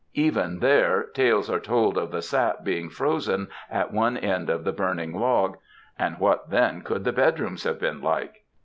Eyen there, tales are told of the sap being frozen at one end of the burning log, and what then could the bedrooms have been like